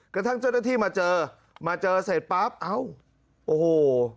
กระทั่งเจ้าหน้าที่มาเจอมาเจอเสร็จปั๊บเอ้าโอ้โห